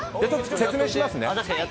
説明しますね。